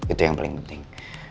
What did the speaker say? itu yang paling penting